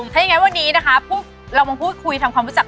ถ้ายังงั้นวันนี้นะคะเรามาคุยทำความพุชธ